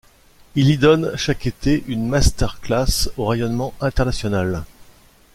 Il y donne chaque été une masterclass au rayonnement international.